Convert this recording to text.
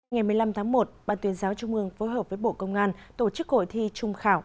ngày một mươi năm tháng một ban tuyên giáo trung ương phối hợp với bộ công an tổ chức hội thi trung khảo